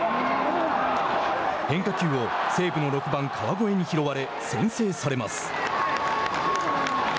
変化球を西武の６番川越に拾われ先制されます。